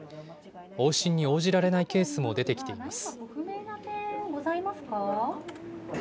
往診に応じられないケースも出てきています。